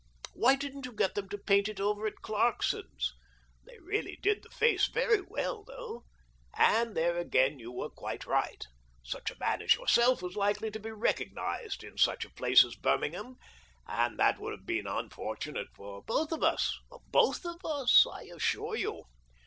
Why didn't you get them to paint it over at Clarkson's ? They really did the face very well, though ! And there again you were quite ■n r. o cu o o Q *' AVALANCHE BICYCLE AND TYRE CO.,LTDr 183 right. Such a man as yourself was likely to be recognised in such a place as Birmingham, and that would have been unfortunate for both of us — both of us, I assure you.